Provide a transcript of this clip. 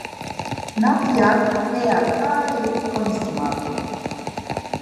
Natiak heya ǩai konisamadu.